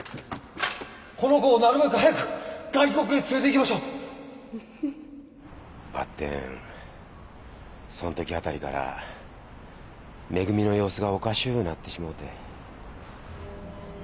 この子をなるべく早く外国ウッフフばってんそんときあたりから恵の様子がおかしゅうなってしもて。